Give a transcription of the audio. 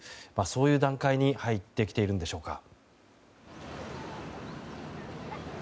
そういう段階に入ってきているのでしょうか。